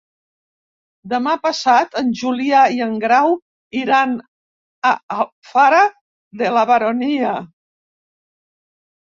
Demà passat en Julià i en Grau iran a Alfara de la Baronia.